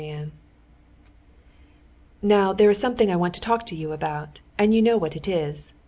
Chapter 18 "Now there is something I want to talk about, and you know what it is.